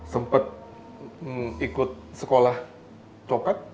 sempat ikut sekolah copet